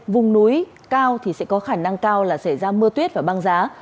vùng núi cao thì sẽ có khả năng cao là xảy ra mưa tuyết và băng giá